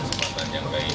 kesempatan yang baik